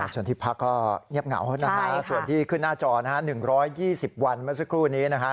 ส่วนที่พักก็เงียบเหงาส่วนที่ขึ้นหน้าจอ๑๒๐วันเมื่อสักครู่นี้